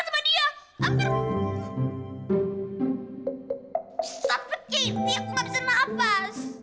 sampai ke inti aku gak bisa nafas